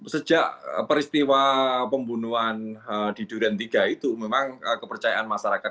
sejak peristiwa pembunuhan di duren tiga itu memang kepercayaan masyarakat